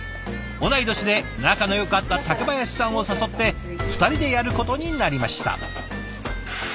同い年で仲のよかった竹林さんを誘って２人でやることになりました。